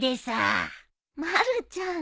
まるちゃん。